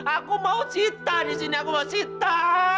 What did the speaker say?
aku mau sita di sini aku mau sita